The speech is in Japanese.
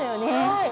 はい。